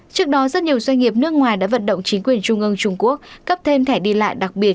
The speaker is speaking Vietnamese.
trước đó rất nhiều doanh nghiệp nước ngoài đã vận động chính quyền trung ương trung quốc cấp thêm thẻ đi lại đặc biệt